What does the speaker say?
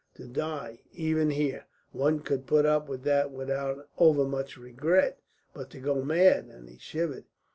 To die, even here, one could put up with that without overmuch regret; but to go mad!" and he shivered.